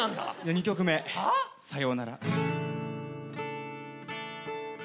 ２曲目『さようなら』。